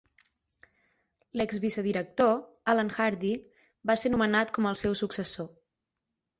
L'ex-vicedirector, Allan Hardy, va ser nomenat com el seu successor.